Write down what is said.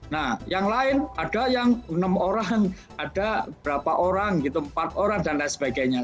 nah yang lain ada yang enam orang ada berapa orang gitu empat orang dan lain sebagainya